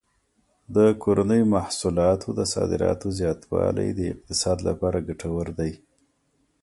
د کورنیو محصولاتو د صادراتو زیاتوالی د اقتصاد لپاره ګټور دی.